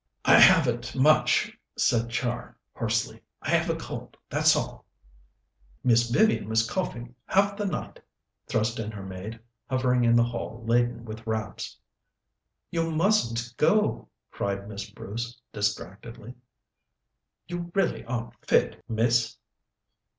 "I haven't, much," said Char hoarsely. "I have a cold, that's all." "Miss Vivian was coughing half the night," thrust in her maid, hovering in the hall laden with wraps. "You mustn't go!" cried Miss Bruce distractedly. "You really aren't fit, Miss."